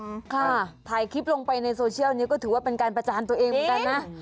ค่ะถ่ายคลิปลงไปในโซเชียลนี้ก็ถือว่าเป็นการประจานตัวเองเหมือนกันนะ